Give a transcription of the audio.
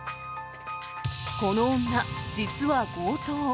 この女、実は強盗。